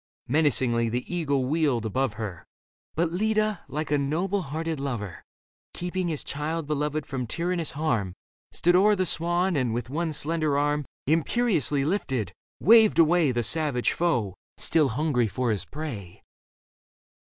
Menacingly the eagle wheeled above her ; But Leda, like a noble hearted lover Keeping his child beloved from tyrannous harm. Stood o'er the swan and, with one slender arm Imperiously lifted, waved away The savage foe, still hungry for his prey.